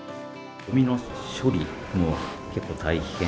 ごみの処理も結構大変。